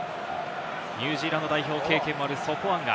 ニュージーランド代表経験もあるソポアンガ。